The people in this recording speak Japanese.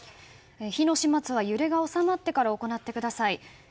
火の始末は、揺れが収まってから行ってください。